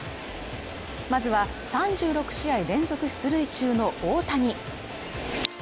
まずは３６試合連続出塁中の大谷。